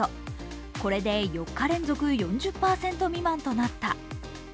これで４日連続４０％未満となった。